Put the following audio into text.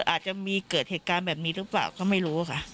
อาจจะมีเกิดเหตุการณ์แบบนี้หรือเปล่าก็ไม่รู้ค่ะ